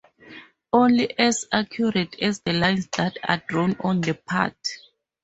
Only as accurate as the lines that are drawn on the part.